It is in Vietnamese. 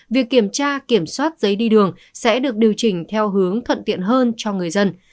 việc kiểm tra kiểm soát giấy đi đường sẽ được điều chỉnh theo hướng thuận tiện hơn cho người dân